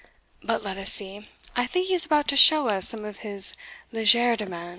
But let us see: I think he is about to show us some of his legerdemain."